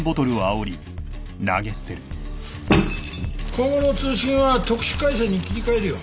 今後の通信は特殊回線に切り替えるよ。